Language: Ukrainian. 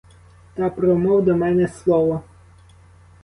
Та промов до мене слово.